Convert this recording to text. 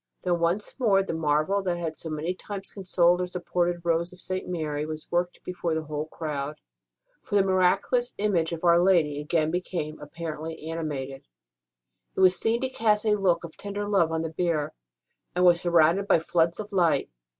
Then, once more, the marvel that had so many times consoled or supported Rose of St. Mary was worked before the whole crowd; for the miraculous image of Our Lady again became apparently animated, was seen to cast a look of tender love on the bier, and was sur 184 ST. ROSE OF LIMA rounded by floods of light.